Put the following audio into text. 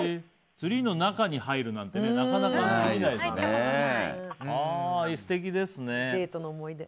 ツリーの中に入るなんてなかなかないですから素敵ですね。